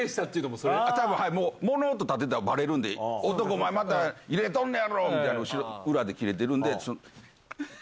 たぶん、物音立てたらばれるんで、男がまた入れとんのやろみたいに裏でキレてるんで。